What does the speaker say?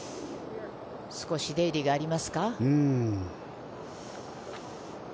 少し出入りがありますか。